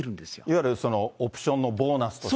いわゆるオプションのボーナスとして。